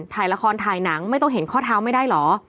ถ่ายละครถ่ายหนังไม่ต้องเห็นข้อเท้าไม่ได้เหรอ